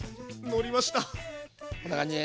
のりました！